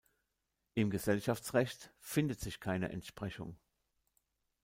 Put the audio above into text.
Im Gesellschaftsrecht findet sich keine Entsprechung.